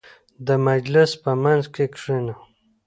• د مجلس په منځ کې کښېنه.